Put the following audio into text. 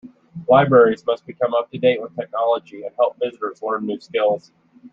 Libraries must become up to date with technology and help visitors learn new skills.